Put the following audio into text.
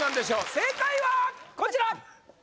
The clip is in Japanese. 正解はこちら！